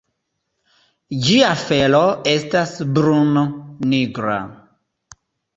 Ĝia felo estas brun-nigra.